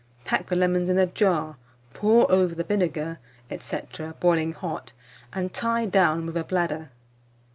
Pack the lemons in a jar, pour over the vinegar, &c. boiling hot, and tie down with a bladder.